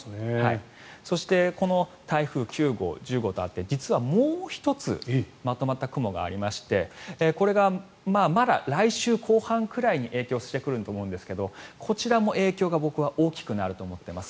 そしてこの台風９号１０号とあって実はもう１つまとまった雲がありましてこれがまだ来週後半ぐらいに影響してくると思うんですがこちらも影響が僕は大きくなると思っています。